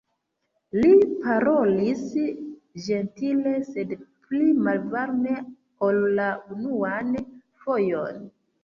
Li parolis ĝentile, sed pli malvarme ol la unuan fojon.